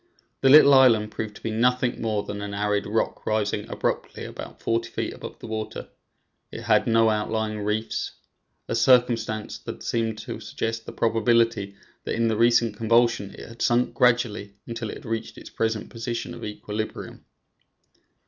The little island proved to be nothing more than an arid rock rising abruptly about forty feet above the water. It had no outlying reefs, a circumstance that seemed to suggest the probability that in the recent convulsion it had sunk gradually, until it had reached its present position of equilibrium.